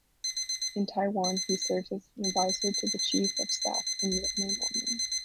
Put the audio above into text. In Taiwan, he served as adviser to the chief of staff, in name only.